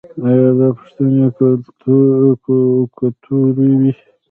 ایا دا پوښتنې ګټورې وې؟